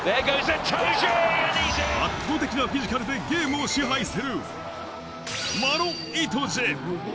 圧倒的なフィジカルでゲームを支配するマロ・イトジェ。